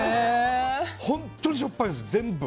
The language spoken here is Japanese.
本当にしょっぱいんです、全部。